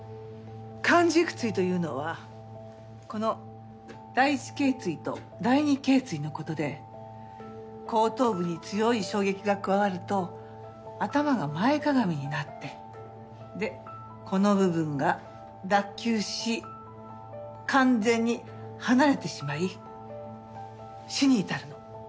環軸椎というのはこの第一頸椎と第二頸椎の事で後頭部に強い衝撃が加わると頭が前かがみになってでこの部分が脱臼し完全に離れてしまい死に至るの。